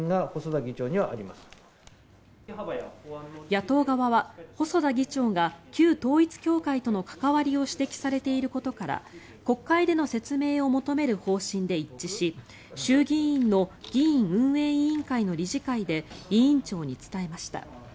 野党側は、細田議長が旧統一教会との関わりを指摘されていることから国会での説明を求める方針で一致し衆議院の議院運営委員会の理事会で委員長に伝えました。